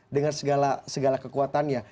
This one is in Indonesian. dengan segala kekuatannya